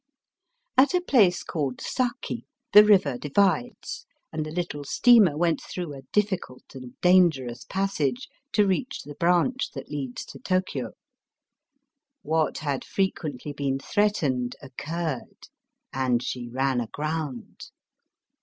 At a place called Saki the river divides, and the little steamer went through a difficult and dangerous passage to reach the branch that leads to Tokio. What had frequently been threatened occurred, and she ran aground.